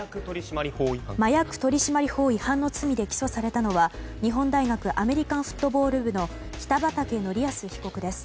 麻薬取締法違反の罪で起訴されたのは日本大学アメリカンフットボール部の北畠成文被告です。